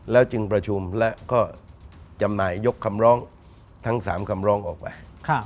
แล้วจึงประชุมและก็จำหน่ายกคำร้องทั้ง๓คำร้องออกไป